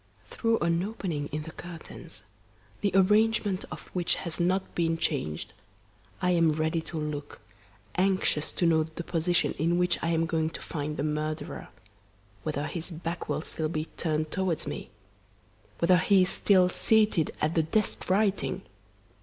Through an opening in the curtains, the arrangement of which has not been changed, I am ready to look, anxious to note the position in which I am going to find the murderer, whether his back will still be turned towards me! whether he is still seated at the desk writing!